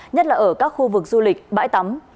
nhất là ở các khu vực du lịch bãi tắm